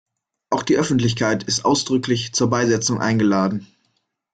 Auch die Öffentlichkeit ist ausdrücklich zur Beisetzung eingeladen.